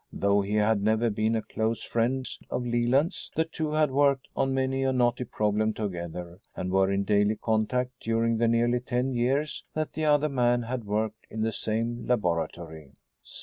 Though he had never been a close friend of Leland's, the two had worked on many a knotty problem together and were in daily contact during the nearly ten years that the other man had worked in the same laboratory.